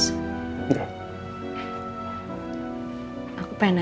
kamu udah bikin aku senang mas